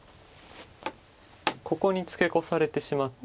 ここにツケコされてしまって。